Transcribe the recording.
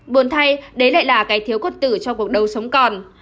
buồn thay đấy lại là cái thiếu quất tử cho cuộc đấu sống còn